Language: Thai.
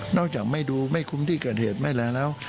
จากไม่ดูไม่คุ้มที่เกิดเหตุไม่แล้ว